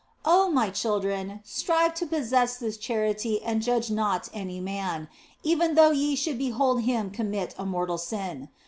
" Oh my children, strive to possess this charity and judge not any man, even though ye should behold him commit a mortal sin.